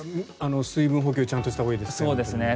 水分補給したほうがいいですね。